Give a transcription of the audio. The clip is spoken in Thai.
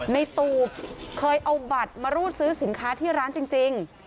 ในตูบเคยเอาบัตรมารูดซื้อสินค้าที่ร้านจริง